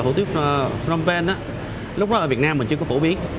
hủ tiếu phnom penh á lúc đó ở việt nam mình chưa có phổ biến